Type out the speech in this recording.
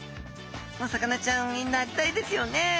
お魚ちゃんになりたいですよね。